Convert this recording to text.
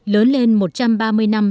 lớn lên một trăm ba mươi năm